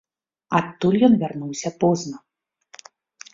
Адтуль ён вярнуўся позна.